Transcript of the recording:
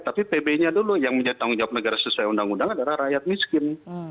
tapi pb nya dulu yang menjadi tanggung jawab negara sesuai undang undang adalah rakyat miskin